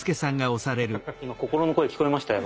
今心の声聞こえましたよ。